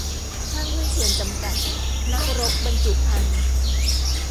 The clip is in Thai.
ห้างหุ้นส่วนจำกัด นักรบบรรจุภัณฑ์